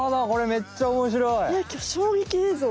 これめっちゃおもしろい。